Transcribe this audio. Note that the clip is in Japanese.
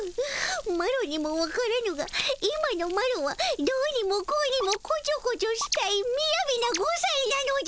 マロにもわからぬが今のマロはどにもこにもこちょこちょしたいみやびな５さいなのじゃ。